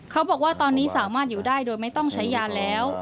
เขาบอกว่าตอนนี้สามารถอยู่ได้โดยไม่ต้องใช้ยาแล้ว